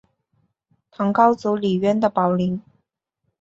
唐高祖李渊的宝林。